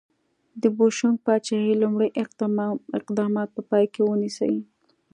د بوشنګ پاچاهۍ لومړي اقدامات په پام کې ونیسئ.